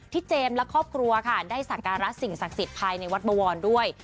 เจมส์และครอบครัวค่ะได้สักการะสิ่งศักดิ์สิทธิ์ภายในวัดบวรด้วย